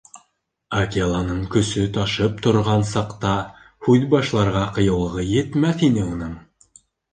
Акеланың көсө ташып торған саҡта һүҙ башларға ҡыйыулығы етмәҫ ине уның.